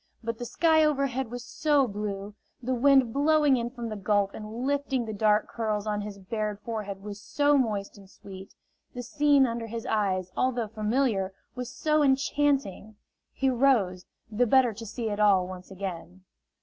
But the sky overhead was so blue, the wind blowing in from the Gulf and lifting the dark curls on his bared forehead was so moist and sweet, the scene under his eyes, although familiar, was so enchanting! He rose, the better to see it all once again.